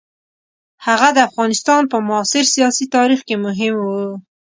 هغه د افغانستان په معاصر سیاسي تاریخ کې مهم وو.